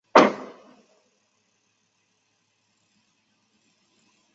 鸻刺缘吸虫为棘口科刺缘属的动物。